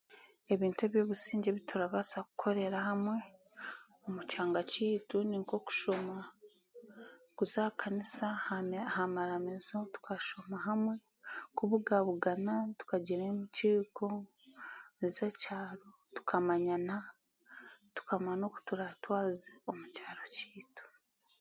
Ebintu eby'obusingye ebi turabaasa kukorera hamwe omu kyanga kyaitu nink'okushoma, okuza aha kanisa, aha aha maramizo tukashoma hamwe, kubuganabugana tukagira enkiiko ez'ekyaro tukamanyana, tukamanya n'okuturaatwaze omu kyaro kyaitu.